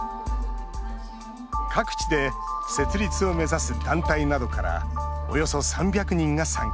各地で設立を目指す団体などからおよそ３００人が参加。